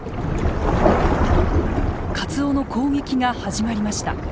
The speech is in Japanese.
カツオの攻撃が始まりました。